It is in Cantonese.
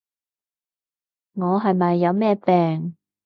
我係咪有咩病？